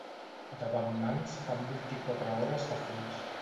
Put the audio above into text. Davant Mans fan vint-i-quatre hores de fums.